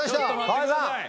河井さん